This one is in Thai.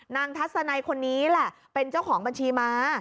ทัศนัยคนนี้แหละเป็นเจ้าของบัญชีม้า